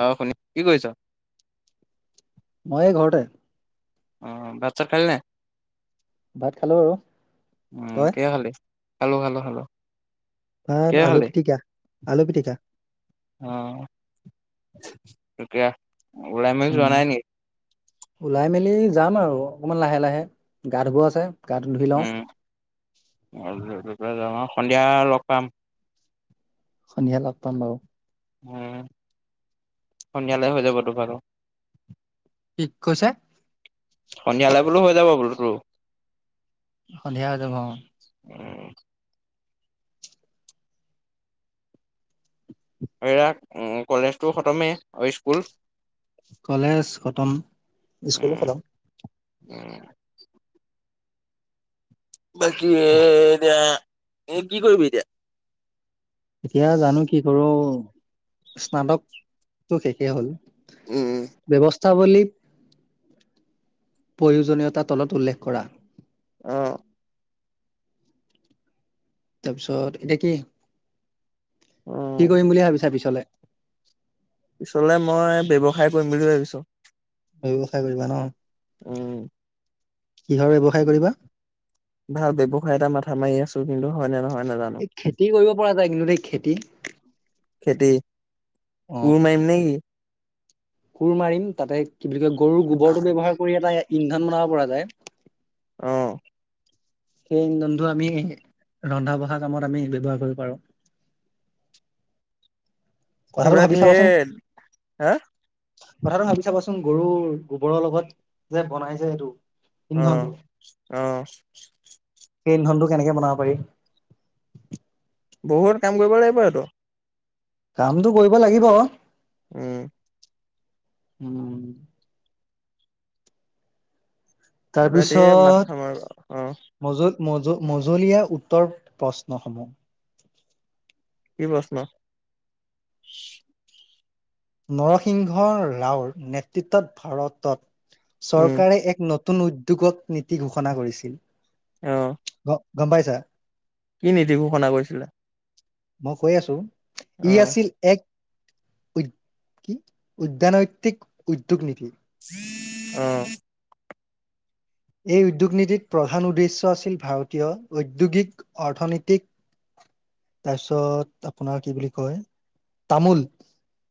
আ শুনি কি কৰিছ? মই এই ঘৰতে অ' ভাত-চাত খালি নাই? ভাত খালো আৰু উম, তই? কিহে খালি? খালোঁ - খালোঁ - খালোঁ। ভাত, আলু পিটিকা -আলু পিটিকা। অ তেতিয়া ওলাই মেলি যোৱা উম, নাই নি? ওলাই মেলি যাম আৰু অকমান লাহে -লাহে গা ধুব আছে। গাটো ধুই উম। লওঁ [unintelligible] যাম আৰু সন্ধিয়া লগ পাম। সন্ধিয়া লগ পাম বাৰু,। উম, সন্ধিয়ালে হৈ যাবতো বাৰু। কি কৈছে? সন্ধিয়ালৈ বোলো হৈ যাব বোলোতো। সন্ধিয়া হৈ যাব অ'। [unintelligible] এইয়া কলেজটো খতমেই আৰু স্কুল কলেজ খটম, ইস্কুলো উম খটম। উম। বাকী এ এতিয়া এ কি কৰিবি এতিয়া? এতিয়া জানো কি কৰোঁ। স্নাতকটো শেষে হ'ল। উম। [unintelligible] প্ৰয়োজনীয়তা তলত উল্লেখ কৰা। অ', তাৰপিছত এতিয়া কি উম -কি কৰিম বুলি ভাবিছা পিছলে পিছলে মই ব্যৱসায় কৰিম বুলি ভাবিছোঁ। ব্যৱসায় কৰিবা ন'? উম কিহৰ ব্যৱসায় কৰিবা? ভাল ব্যৱসায় এটা মাথা মাৰি আছো কিন্তু হয় নে নহয়। নাজানো এই খেতি কৰিব পৰা যায় কিন্তু সেই খেতি। খেতি। অ, কোৰ মাৰিম নেকি? কোৰ মাৰিম। তাতে কি বুলি কয়, গৰুৰ গোবৰটো ব্যৱহাৰ কৰি এটা ইন্ধন বনাব পৰা যায়। অহ সেই জুন্ধু আমি ৰন্ধা- বঢ়া কামত আমি ব্যৱহাৰ কৰিব পাৰো। [unintelligible] কথাটো ভাবি চাবাচোন [unintelligible] কথাটো ভাবি চাবচোন গৰু গোবৰৰ লগত যে বনাইযে এইটো। অহ ইন্ধনটো - অহ সেই ধনটো কেনেকে বনাব পাৰি? বহুত কাম কৰিব লাগিব এটো। কামটো কৰিব লাগিব। উম উম এইবিলাক ধেৰ মাথা তাৰপিছত মাৰ অঁ মজত মজ- মজলীয়া উত্তৰ- প্ৰশ্নসমূহ। কি প্ৰশ্ন? নৰসিংহ ৰাওৰ নেতৃত্বত ভাৰতত উম চৰকাৰে এক ন নতুন উদ্যোগত নীতি ঘোষণা কৰিছিল? অহ গ গম পাইছা? কি নীতি ঘোষণা কৰিছিলে? মই কৈ আছো ই অঁ আছিল এক [unintelligible] উদ্যানৈন্তিক উদ্যোগ নীতি। অ'। এই উদ্যোগ নীতিত প্ৰধান উদ্দেশ্য আছিল ভাৰতীয় ঔদ্যোগিক, অৰ্থনৈতিক [inaudible] তাৰপিছত আপোনাৰ কি বুলি কয়, তামোল।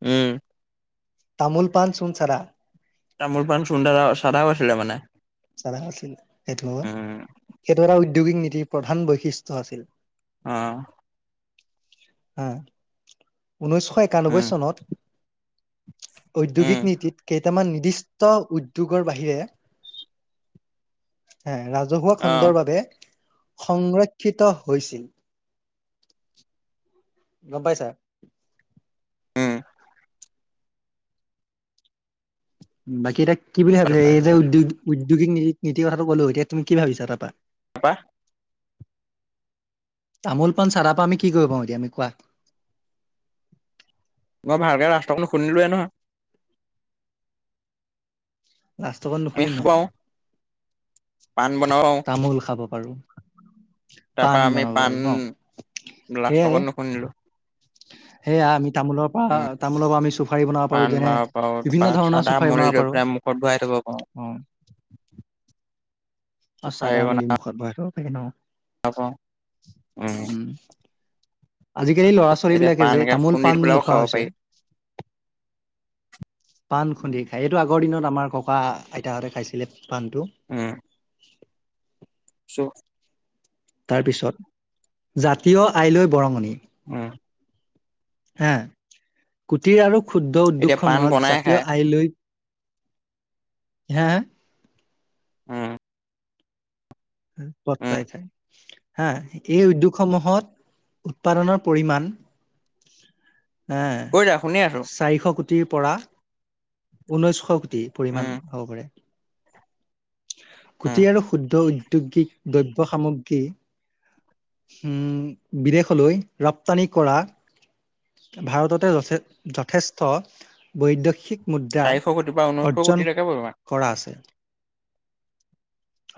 উম তামোল- পাণ, চুন- চাধা তামোল-পাণ চুন্দাল আৰু চাধাও আছিলে মানে। জানা আছিল। সেইটো হয়। উম সেইটো এটা উদ্যোগিক নীতিৰ প্ৰধান বৈশিষ্ট্য আছিল। অহ হা। ঊনৈশ একানব্বৈ উম চনত উম উদ্যোগিক নীতিত কেইটামান নিৰ্দিষ্ট উদ্যোগৰ বাহিৰে [unintelligible] ৰাজহুৱা অঁ খণ্ডৰ বাবে সংৰক্ষিত হৈছিল। গম পাইছা? [unintelligible] বাকী এতিয়া কি বুলি পাইছো ভাবিছে, এই পাইছো যে পাইছো উদ্য- উদ্যোগিক নীতি- নীতি কথাটো ক'লো, এতিয়া তুমি কি ভাবিছা তাৰপা? তাপা তামোল -পাণ, চাধাৰ পৰা আমি কি কৰিব পাওঁ এতিয়া আমি কোৱা? মই ভালকে লাস্তৰখন শুনিলোৱে নহয়। লাস্তৰখন নুখোলি নাই? পাণ বনাও? আৰু তাৰ পৰা আমি পাণ- সেয়াই লাষ্টৰকণ নুশুনিলো। সেয়া আমি তামোলৰ পৰা উম তামোলৰ পৰা [unintelligible] আমি চুফাৰি বনাব পাৰো যেনে বিভিন্ন ধৰণৰ মুখত ভৰাই থব পাৰোঁ। অঁ। [unintelligible] অঁ চাদা মলি মুখত ভৰাই থব পাৰি ন। অ' ক, উম। আজিকালি এতিয়া ল'ৰা-ছোৱালীবিলাকে পাণ যে এনেকে খুন্দি তামোল-পাণ পেলাইও খাব নোখোৱা পাৰি হৈছে। পাণ খুন্দি খাই এইটো আগৰ দিনত আমাৰ ককা আইতাহঁতে খাইছিলে। পাণটো। ছো তাৰ পিছত, জাতীয় আয়লৈ বৰঙণি। উম। হা কুটিৰ আৰু ক্ষুদ্ৰ এতিয়া পাণ উদ্যোগসমূহত বনাই খায় জাতীয় আইলৈ। হে হে। উম। উম পত্তাই খায়। হা এই উদ্যোগসমূহত উৎপাদনৰ পৰিমান। হা কৈ যা শুনি আছো চাৰিশ কোটিৰ পৰা ঊনৈছশ। টি উম পৰিমাণ হ'ব পাৰে। উম কোটি আৰু শুদ্ধ ঔদ্যোগিক দ্ৰব্য সামগ্ৰী। উম বিদেশলৈ ৰপ্তানি কৰা। ভাৰততে যথে- যথেষ্ট বৈদশিক মুদ্ৰা চাৰিশ কোটিৰ পৰা ঊনৈশ কোটি অৰ্জন লৈকে পৰিমাণ কৰা আছে।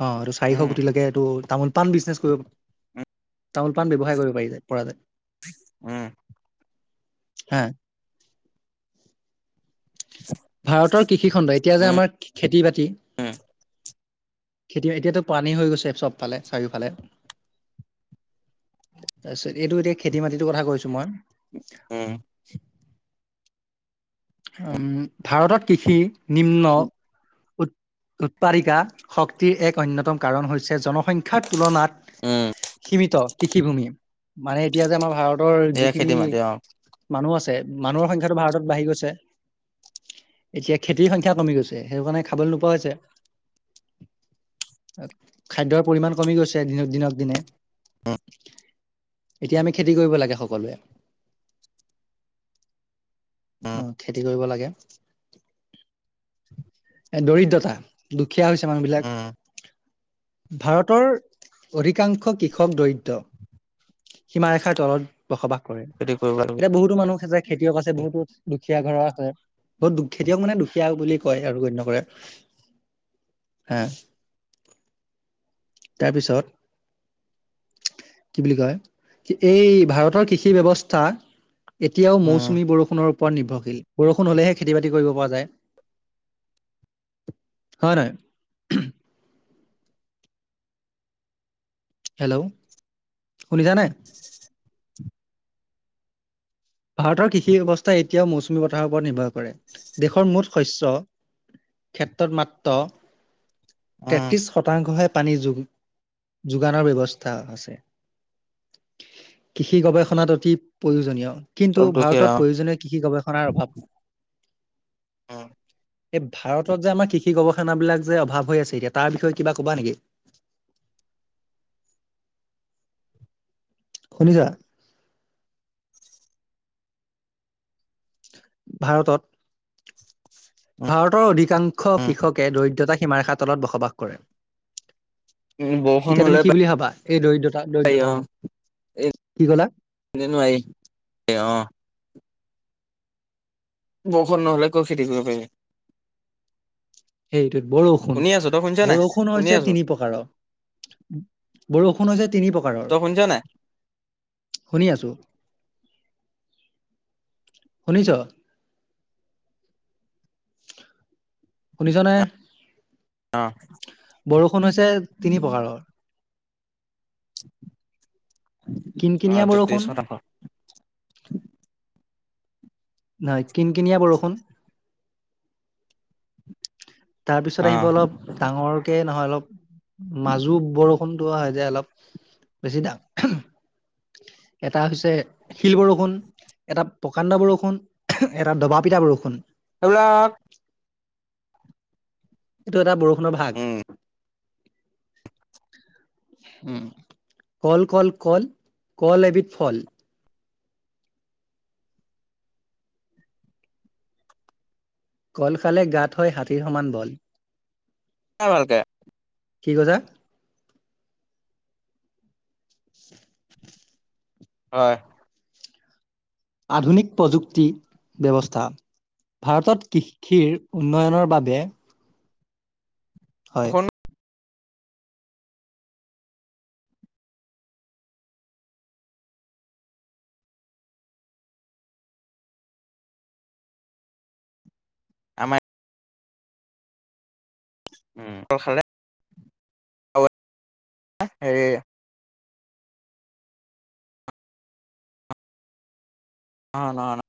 অঁ এটো চাৰিশ উম কোটি লৈকে এটো। তামোল-পাণ বিজনেছ কৰিব- তামোল-পাণ ব্যৱসায় কৰিব পাৰি যায়- পৰা যায়। উম। হা। ভাৰতৰ কৃষিখণ্ড এতিয়া যে উম আমাৰ খেতি বাতি। উম খেতিয এতিয়াতো পানী হৈ গৈছে চবফালে চাৰিওফালে। তাপিছত এইটো এতিয়া খেতি মাটিটোৰ কথা কৈছো মই। উম। উম, ভাৰতত কৃষি নিম্ন উৎপাদিকা শক্তিৰ এক অন্যতম কাৰণ হৈছে জন। সংখ্যাৰ তুলনাত উম সীমিত কৃষিভূমি, মানে এতিয়া যে আমাৰ ভাৰত তৰ এয়া খেতি যিখিনি মাটি অ মানুহ আছে, মানুহৰ সংখ্যাটো ভাৰতত বাঢ়ি গৈছে। এতিয়া খেতিৰ সংখ্যা কমি গৈছে, সেইটো কাৰণে খাবলৈ নোপোৱা হৈছে। খাদ্যৰ পৰিমাণ কমি গৈছে, দিন- দিনক দিনে। অঁ। এতিয়া আমি খেতি কৰিব লাগে সকলোৱে। উম অ' খেতি কৰিব লাগে। এ দৰিদ্ৰতা, দুখীয়া হৈছে মানুহবিলাক। উম ভাৰতৰ অধিকাংশ কৃষক দৰিদ্ৰ। সীমাৰেখাৰ তলত বসবাস কৰে। খেতি কৰিব লাগে এতিয়া বহুতো মানুহেযে খেতিয়ক আছে, বহুতো দুখ খীয়া ঘৰৰ আছে। বহুত দুখ- খেতিয়ক মানে দুখীয়া বুলি কয়। এ আৰু গণ্য কৰে। হে। তাৰ পিছত। কি বুলি কয় এই ভাৰতৰ কৃষি ব্যৱস্থা। এতিয়াও উম মৌচুমী বৰষুণৰ ওপৰত নিৰ্ভৰশীল বৰষুণ হলেহে খেতি বাতি কৰিব পৰা যায়। হয় নহয়? হেল্ল'? শুনিছানে? ভাৰতৰ কৃষি ব্যৱস্থাই এতিয়াও মৌচুমী বতাহৰ ওপৰত নিৰ্ভৰ কৰে দেশৰ মুঠ শস্য ক্ষেত্ৰত মাত্ৰ উম তেত্ৰিশ শতাংশহে পানী যোগানৰ ব্যৱস্থা আছে। কৃষি গৱেষণাত অতি প্ৰয়োজনীয়। কিন্তু, চব দুখীয়া ভাৰতত অ প্ৰয়োজনীয় কৃষি গৱেষণাৰ অভাৱ। এই ভাৰতত যে আমাৰ কৃষি গৱেষণাবিলাক যে অভাৱ হৈ আছে এতিয়া তাৰ বিষয়ে কিবা কবা নেকি? [inaudible] শুনিছা? ভাৰতত ভাৰতৰ অধিকাংশ উম কৃষকে দৰিদ্ৰতা সীমাৰেখা তলত বসবাস কৰে। উম বৰষুণ এতিয়া হলে তুমি কি বুলি ভাবা এই দৰিদ্ৰতা পাৰি দৰিদ্ৰতা অ সমূহ? [unintelligible] বৰষুণ নহলে কত খেতি কৰিব পাৰিবি। সেইটোত বৰষুণ- শুনি আছো তই শুনিছ নাই? বৰষুণ শুনি হৈছে আছো তিনি প্ৰকাৰৰ। বৰষুণ হৈছে তিনি প্ৰকাৰৰ। তই শুনিছ নাই? শুনি আছো শুনিছ? শুনিছনে অ বৰষুণ হৈছে তিনি প্ৰকাৰৰ কিন- অ কিনিয়া তেত্ৰিশ বৰষুণ। শতাংশ নাই কিন -কিনিয়া বৰষুণ। তাৰপিছত অ আহিব অলপ ডাঙৰকে নহয় অলপ মাজু বৰ [unintelligible] অলপ হৈ হৈছি দা এটা হৈছে শিল বৰষুণ এটা প্ৰকাণ্ড বৰষুণ, এটা দবা পিঠা বৰষুণ এইবিলাক এইটো এটা বৰষুণৰ ভাগ। উম [inaudible] উম,, কল কল কল কল এবিধ ফল। কল খালে গাত হয় হাতীৰ সমান বল। ভালকে [unintelligible] কি কৈদা? হয়। আধুনিক প্ৰযুক্তি ব্যৱস্থা। ভাৰতত কৃষিৰ উন্নয়নৰ বাবে হয়। বৰষুণ আমাৰ কল খালে? হেৰি, অহ, নানা